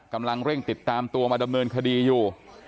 กำลังเร่งติดตามตัวมาดำเนินคดีอยู่